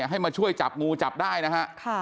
ให้มาช่วยจับงูจับได้นะฮะ